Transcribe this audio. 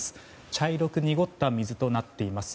茶色く濁った水となっています。